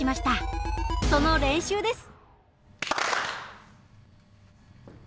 その練習です。